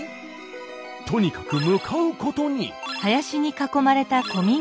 とにかく向かうことに。